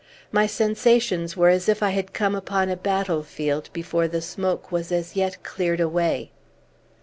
My sensations were as if I had come upon a battlefield before the smoke was as yet cleared away.